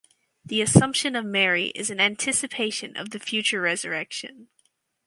The Assumption of Mary is an anticipation of the future resurrection.